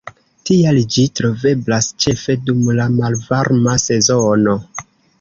Tial ĝi troveblas ĉefe dum la malvarma sezono.